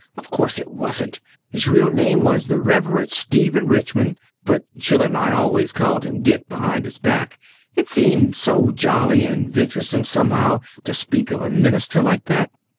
Of course it wasn't. His real name was the Reverend Stephen Richmond, but Jill and I always called him Dick behind his back; it seemed so jolly and venturesome, somehow, to speak of a minister like that.